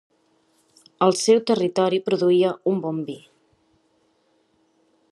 El seu territori produïa un bon vi.